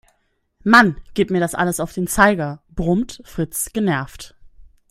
Mann, geht mir das alles auf den Zeiger, brummte Fritz genervt.